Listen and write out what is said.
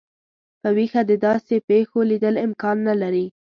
په ویښه د داسي پیښو لیدل امکان نه لري.